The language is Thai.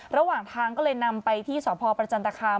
ระหว่างทางก็เลยนำไปที่สพประจันตคาม